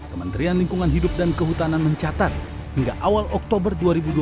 kementerian lingkungan hidup dan kehutanan mencatat hingga awal oktober dua ribu dua puluh